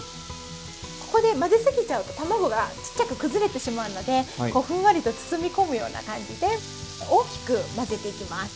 ここで混ぜ過ぎちゃうと卵がちっちゃく崩れてしまうのでこうふんわりと包み込むような感じで大きく混ぜていきます。